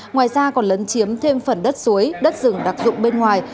ngoài ra còn lấn chiếm thêm phần đất suối đất rừng đặc dụng bên ngoài